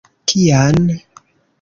Kian?